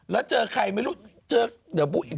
แล้วเจอใครไม่รู้เจอเดี๋ยวพูดอีกแป๊บ